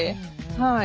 はい。